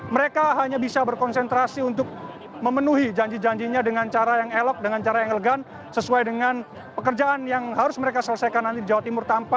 mereka hanya bisa berkonsentrasi untuk memenuhi janji janjinya dengan cara yang elok dengan cara yang elegan sesuai dengan pekerjaan yang harus mereka selesaikan nanti di jawa timur